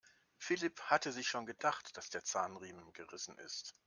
Philipp hatte sich schon gedacht, dass der Zahnriemen gerissen ist.